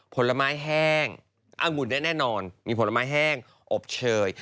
ผลไม้แห้งอังุ่นได้แน่นอนมีผลไม้แห้งอบเชย